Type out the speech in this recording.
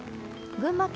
群馬県